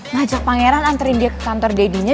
ngajak pangeran anterin dia ke kantor dadinya